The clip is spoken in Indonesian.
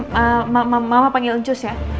mama mama panggil uncus ya